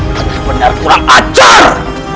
benar benar kurang ajar